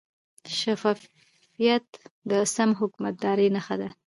شفافیت د سم حکومتدارۍ نښه ده.